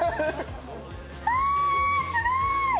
はあすごい！